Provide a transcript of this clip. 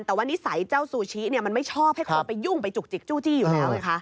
แต่ว่านิสัยเจ้าซูชิมันไม่ชอบให้คนไปยุ่งไปจุกจิกจู้จี้อยู่แล้วไงคะ